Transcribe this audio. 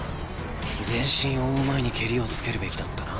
全身を覆う前にケリをつけるべきだったな。